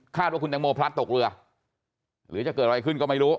ว่าคุณตังโมพลัดตกเรือหรือจะเกิดอะไรขึ้นก็ไม่รู้